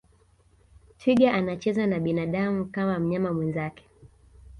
twiga anacheza na binadamu kama mnyama mwenzake